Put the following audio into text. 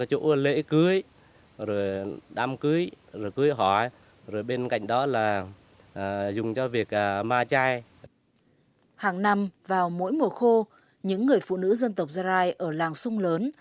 hàng năm vào mỗi mùa khô những người phụ nữ dân tộc sarai ở làng sung lớn